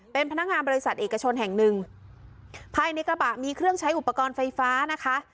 เป็นพนักงานบริษัทเอกชนแห่งหนึ่งภายในกระบะมีเครื่องใช้อุปกรณ์ไฟฟ้านะคะ